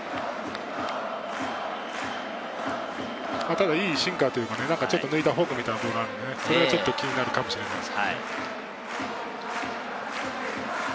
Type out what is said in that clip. ただ、いいシンカーというか、ちょっと抜いたフォークみたいなボールがあるので、それがちょっと気になるかもしれません。